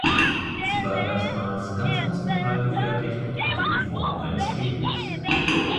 Sie war erstmals ganz aus Metall gefertigt und hatte die Form eines Kegels.